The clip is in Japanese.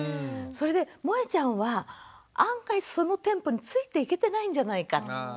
それでもえちゃんは案外そのテンポについていけてないんじゃないかって。